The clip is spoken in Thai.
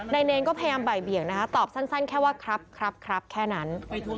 เนรก็พยายามบ่ายเบี่ยงนะคะตอบสั้นแค่ว่าครับครับแค่นั้น